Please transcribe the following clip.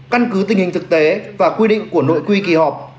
căn cứ tình hình thực tế và quy định của nội quy kỳ họp